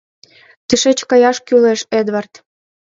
— Тышеч каяш кӱлеш, Эдвард!